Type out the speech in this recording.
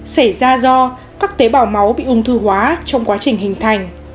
xảy ra do các tế bào máu bị ung thư hóa trong quá trình hình thành